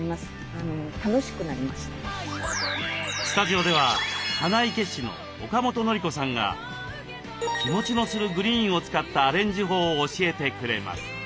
スタジオでは花生師の岡本典子さんが日もちのするグリーンを使ったアレンジ法を教えてくれます。